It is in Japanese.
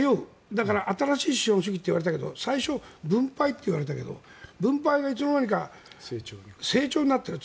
だから新しい資本主義といわれて最初、分配といわれたけど分配がいつの間にか成長になっている。